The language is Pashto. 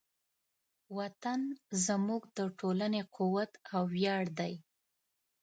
وطن زموږ د ټولنې قوت او ویاړ دی.